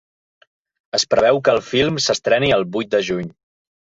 Es preveu que el film s’estreni el vuit de juny.